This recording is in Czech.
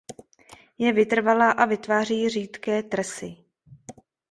Je vytrvalá a vytváří řídké trsy.